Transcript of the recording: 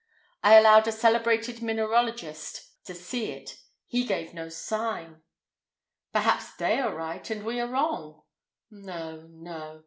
I allowed a celebrated mineralogist to see it; he gave no sign—" "Perhaps they are right and we are wrong." "No, no.